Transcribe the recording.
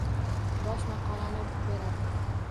Bosh maqolani o‘qib beradi.